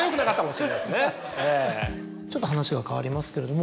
ちょっと話は変わりますけれども。